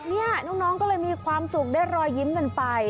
นี่น้องก็เลยมีความสุขได้รอยยิ้มกันไป